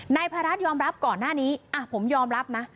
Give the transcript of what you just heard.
นายพารัฐยอมรับก่อนหน้านี้ผมยอมรับนะ